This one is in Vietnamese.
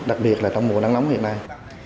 đặc biệt là trong mùa nắng nóng hiện nay